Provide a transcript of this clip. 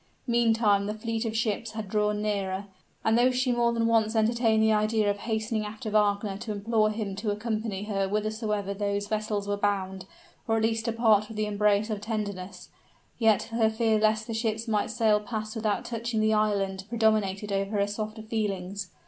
Meantime the fleet of ships had drawn nearer, and though she more than once entertained the idea of hastening after Wagner to implore him to accompany her whithersoever those vessels were bound, or at least to part with the embrace of tenderness, yet her fear lest the ships might sail past without touching at the island, predominated over her softer feelings.